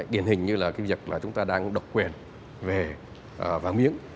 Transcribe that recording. điển hình như là cái việc là chúng ta đang độc quyền về vàng miếng